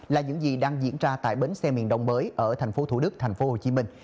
là những gì đang diễn ra tại bến xe miền đông mới ở thành phố thủ đức thành phố hồ chí minh